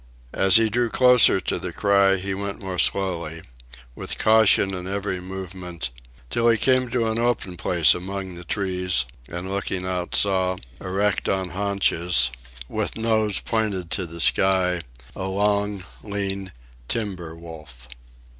As he drew closer to the cry he went more slowly, with caution in every movement, till he came to an open place among the trees, and looking out saw, erect on haunches, with nose pointed to the sky, a long, lean, timber wolf.